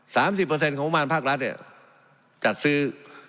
สามสิบเปอร์เซ็นของประมาณภาครัฐเนี่ยจัดซื้อ